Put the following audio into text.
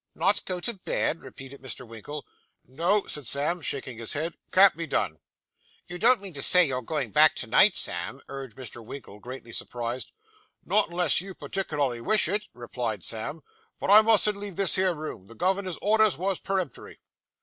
'Not go to bed!' repeated Mr. Winkle. 'No,' said Sam, shaking his head. 'Can't be done.' 'You don't mean to say you're going back to night, Sam?' urged Mr. Winkle, greatly surprised. 'Not unless you particklerly wish it,' replied Sam; 'but I mustn't leave this here room. The governor's orders wos peremptory.